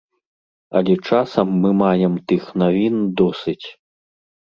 Але часам мы маем тых навін досыць.